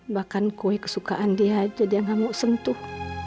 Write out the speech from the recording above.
bahkan kue kesukaan dia aja dia ga mau sentuh